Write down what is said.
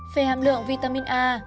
phê hàm lượng vitamin a